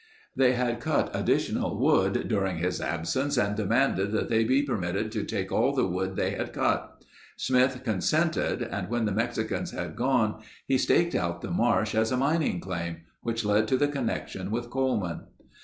They had cut additional wood during his absence and demanded that they be permitted to take all the wood they had cut. Smith consented and when the Mexicans had gone he staked out the marsh as a mining claim—which led to the connection with Coleman.